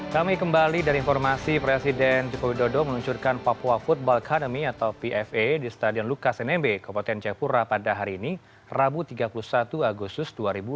kami kembali dari informasi presiden jokowi dodo meluncurkan papua football academy atau pfa di stadion lukas nmb kabupaten jayapura pada hari ini rabu tiga puluh satu agustus dua ribu dua puluh